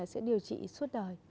sẽ điều trị suốt đời